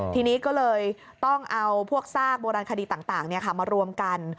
ทีนี้ก็เลยต้องเอาพวกซากโบราณคดีต่างมารวมกัน